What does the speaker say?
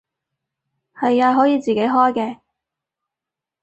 係啊，可以自己開嘅